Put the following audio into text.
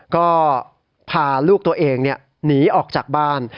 ก็พาลูกตัวเองหนีออกจากบ้าน